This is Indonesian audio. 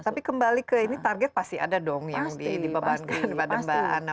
tapi kembali ke ini target pasti ada dong yang dibebankan pada mbak anna